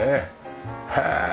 へえ